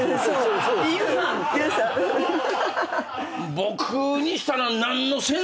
僕にしたら。